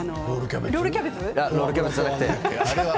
ロールキャベツじゃなくて。